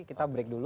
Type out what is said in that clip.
kita break dulu